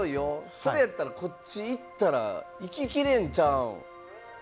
それやったらこっち行ったら行ききれんちゃうんっていうことですよね。